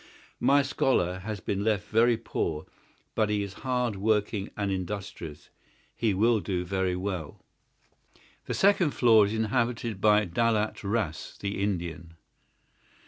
My scholar has been left very poor, but he is hard working and industrious. He will do well. "The second floor is inhabited by Daulat Ras, the Indian.